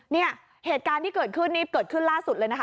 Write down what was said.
เหตุการณ์ที่เกิดขึ้นนี้เกิดขึ้นล่าสุดเลยนะคะ